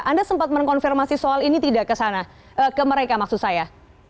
anda sempat mengkonfirmasi soal ini tidak ke sana ke mereka maksud saya